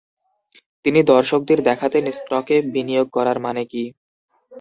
তিনি দর্শকদের দেখাতেন স্টকে বিনিয়োগ করার মানে কি।